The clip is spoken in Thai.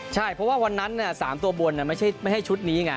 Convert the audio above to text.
ใช่เพราะวันนั้นสามตัวบนไม่ให้ชุดนี้ไง